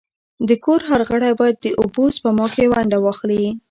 د کور هر غړی باید د اوبو سپما کي ونډه واخلي.